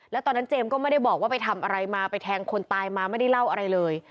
แล้วตอนนั้นเจมส์ก็ไม่ได้บอกว่าไปทำอะไรมาไปแทงคนตายมาไม่ได้เล่าอะไรเลย